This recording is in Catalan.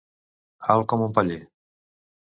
Alt com un paller.